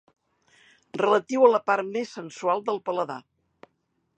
Relatiu a la part més sensual del paladar.